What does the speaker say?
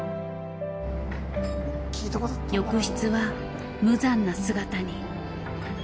浴室は無惨な姿に。